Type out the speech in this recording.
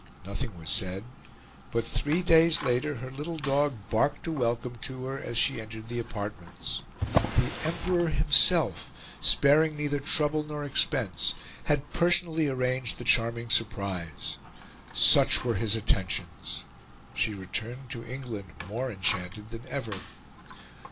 Nothing was said, but three days later her little dog barked a welcome to her as she entered the apartments. The Emperor himself, sparing neither trouble nor expense, had personally arranged the charming surprise. Such were his attentions. She returned to England more enchanted than ever.